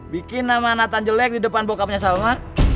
bikin nama nathan jelek di depan bokapnya salma